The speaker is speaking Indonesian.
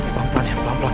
pelan pelan ya pelan pelan